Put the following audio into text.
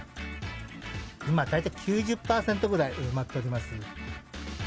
今、大体９０％ぐらい、埋まっております。